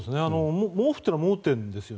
毛布というのは盲点ですよね。